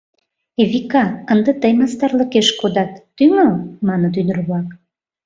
— Эвика, ынде тый мастарлыкеш кодат, тӱҥал, — маныт ӱдыр-влак.